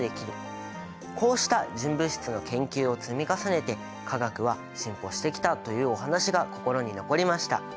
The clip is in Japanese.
こうした純物質の研究を積み重ねて化学は進歩してきたというお話が心に残りました。